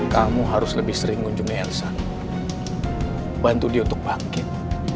kamu harus lebih sering mengunjungi elsa bantu dia untuk bangkit